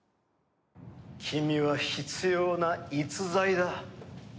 君は必要な逸材だ。